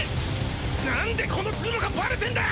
何でこの通路がバレてんだ！